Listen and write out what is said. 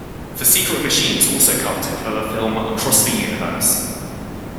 The Secret Machines also covered it for the film "Across the Universe".